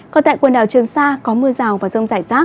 còn tại quần đảo trường sa có mưa rào và rông rải rác